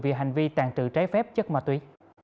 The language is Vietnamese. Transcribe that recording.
vì hành vi tàn trự trái phép chất ma túy